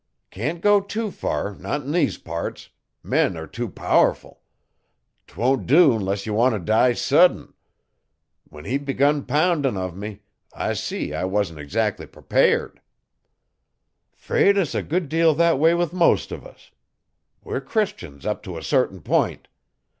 "Can't go tew fur not 'n these parts men are tew powerful. 'Twon't do 'less ye wan' to die sudden. When he begun poundin' uv me I see I wan't eggzac'ly prepared." ''Fraid 's a good deal thet way with most uv us. We're Christians up to a cert'in p'int.